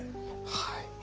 はい。